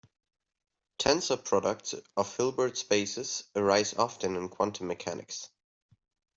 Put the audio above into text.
Tensor products of Hilbert spaces arise often in quantum mechanics.